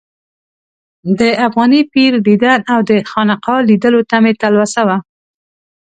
د افغاني پیر دیدن او د خانقا لیدلو ته مې تلوسه وه.